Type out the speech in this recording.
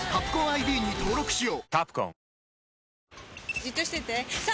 じっとしてて３！